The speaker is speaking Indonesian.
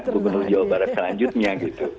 gubernur jawa barat selanjutnya gitu